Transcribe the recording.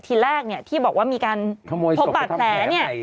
ทีแรกเนี่ยที่บอกว่ามีการพบบาดแผลเนี่ย